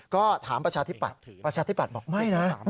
ก็ถามประชาธิปัตย์ประชาธิบัติบอกไม่นะ